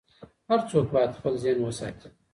هر څوک باید خپل ذهن وساتي.